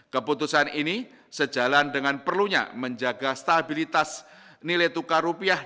keputusan ini sejalan dengan perlunya menjaga stabilitas nilai tukar rupiah